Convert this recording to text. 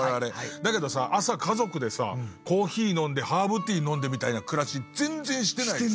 だけどさ朝家族でさコーヒー飲んでハーブティー飲んでみたいな暮らし全然してない。